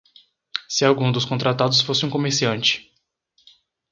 Se algum dos contratados fosse um comerciante.